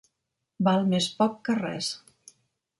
Val més poc que res.